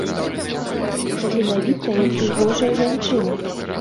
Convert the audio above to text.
Таленавітая і прыгожая жанчына.